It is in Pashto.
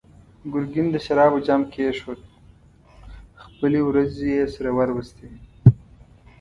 ګرګين د شرابو جام کېښود، خپلې وروځې يې سره وروستې.